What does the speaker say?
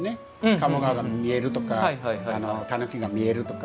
鴨川が見えるとかタヌキが見えるとか。